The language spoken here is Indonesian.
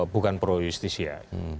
bukan pro justis ya